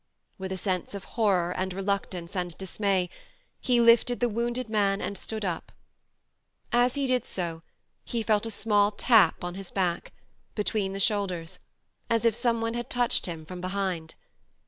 With a sense of horror and reluctance and dis may he lifted the wounded man and stood up. As he did so he felt a small tap on his back, between the shoulders, as if some one had touched him from behind.